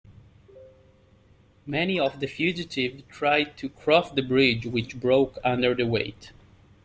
Many of the fugitives tried to cross the bridge, which broke under the weight.